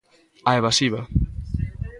A evasiva.